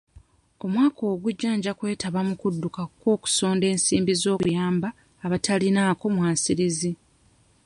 Omwaka ogujja nja kwetaba mu kudduka kw'okusonda ensimbi z'okuyamba abataliinaako mwasirizi